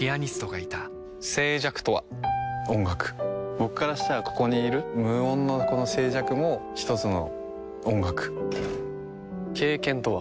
僕からしたらここにいる無音のこの静寂も一つの音楽経験とは？